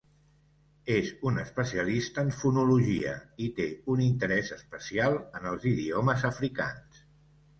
És un especialista en fonologia i té un interès especial en els idiomes africans.